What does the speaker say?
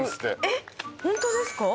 えっホントですか？